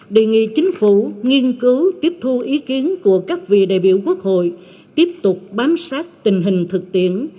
đề nghị chính phủ nghiên cứu tiếp thu ý kiến của các vị đại biểu quốc hội tiếp tục bám sát tình hình thực tiễn